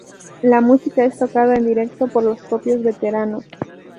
La música es tocada en directo por los propios veteranos.